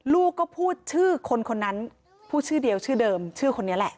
ลูกก็พูดชื่อคนคนนั้นพูดชื่อเดียวชื่อเดิมชื่อคนนี้แหละ